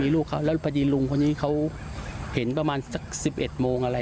ลูกเขาแล้วพอดีลุงคนนี้เขาเห็นประมาณสัก๑๑โมงอะไร